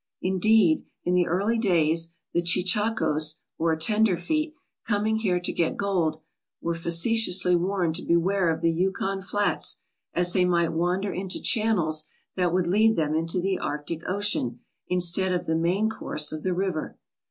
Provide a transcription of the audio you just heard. Indeed, in the early days the cheechakos, or tenderfeet, coming here to get gold, were facetiously warned to beware of the "Yukon flats, as they might wander into channels that would lead them into the Arctic Ocean instead of the main course of the river.